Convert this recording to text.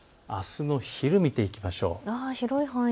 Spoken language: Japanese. あすの昼を見ていきましょう。